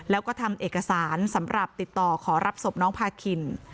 แล้วก็ทำเอกสารสำหรับติดต่อขอรับศพน้องพาคิน